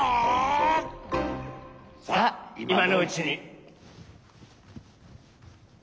さあいまのうちに。